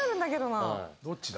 どっちだ？